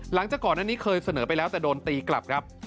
หลังจากก่อนอันนี้เคยเสนอไปแล้วแต่โดนตีกลับครับ